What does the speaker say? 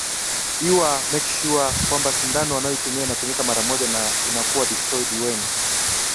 i wa make sure kwamba sindano wanayoitumia inatumika mara moja na inakuwa destroyed when